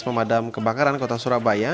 memadam kebakaran kota surabaya